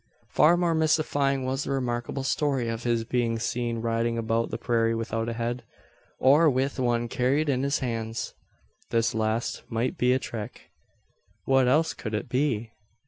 Far more mystifying was the remarkable story of his being seen riding about the prairie without a head, or with one carried in his hands! This last might be a trick. What else could it be?